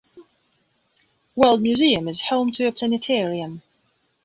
World Museum is home to a planetarium.